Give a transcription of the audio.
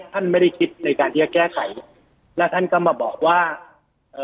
ท่านไม่ได้คิดในการที่จะแก้ไขและท่านก็มาบอกว่าเอ่อ